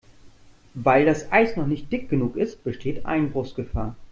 Weil das Eis noch nicht dick genug ist, besteht Einbruchsgefahr.